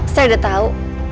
saya udah tau